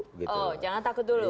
oh jangan takut dulu